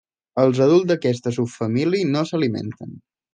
Els adults d'aquesta subfamília no s'alimenten.